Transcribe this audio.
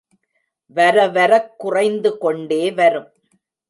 வர வரக் குறைந்து கொண்டே வரும்.